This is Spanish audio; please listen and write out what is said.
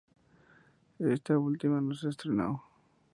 Esta última no se estrenó.